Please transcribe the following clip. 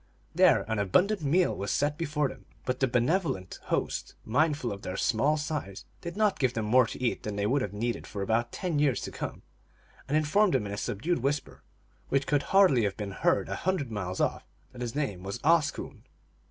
Then an abundant meal was set before them, but the benevolent host, mindful of their small size, did not give them more to eat than they would have needed for about ten years to come, and informed them in a subdued whisper, which could hardly have been heard a hundred miles off, that his name was Oscoon.